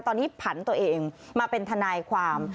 ตอนนี้ผันตัวเองมาเป็นทนายความ